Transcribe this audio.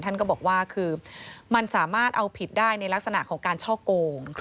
ท่านก็บอกว่าคือมันสามารถเอาผิดได้ในลักษณะของการช่อโกง